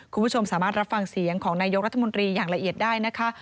คุณผู้ชมสามารถรับฟังเสียงของนายกรัฐมนตรีอย่างละเอียดได้นะคะ